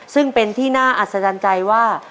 ซึ่งเป็นที่น่าอัศจรรย์ใจว่า